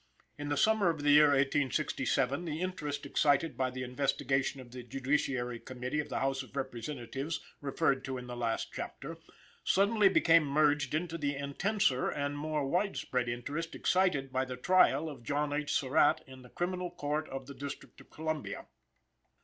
In the summer of the year 1867, the interest excited by the investigation of the Judiciary Committee of the House of Representatives, referred to in the last chapter, suddenly became merged into the intenser and more widespread interest excited by the trial of John H. Surratt in the Criminal Court of the District of Columbia.